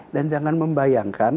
dan jangan membayangkan